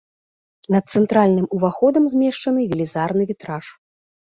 Над цэнтральным уваходам змешчаны велізарны вітраж.